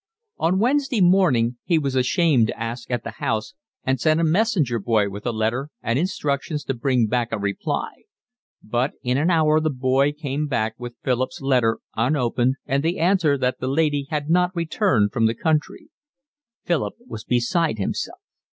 On Wednesday morning he was ashamed to ask at the house and sent a messenger boy with a letter and instructions to bring back a reply; but in an hour the boy came back with Philip's letter unopened and the answer that the lady had not returned from the country. Philip was beside himself.